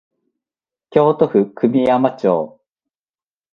京都府久御山町